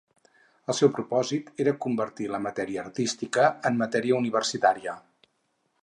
El seu propòsit era convertir la matèria artística en matèria universitària.